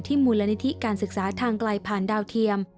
มูลนิธิการศึกษาทางไกลผ่านดาวเทียม